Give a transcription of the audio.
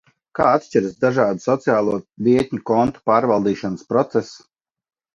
Kā atšķiras dažādu sociālo vietņu kontu pārvaldīšanas process?